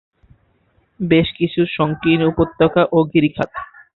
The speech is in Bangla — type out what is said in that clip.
আছে বেশ কিছু সংকীর্ণ উপত্যকা ও গিরিখাত।